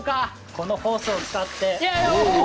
このホースを使って。